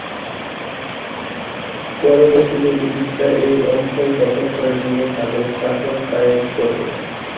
পরবর্তীতে ব্রিটিশরা এই অঞ্চল দখল করে নিয়ে তাদের শাসন কায়েম করে।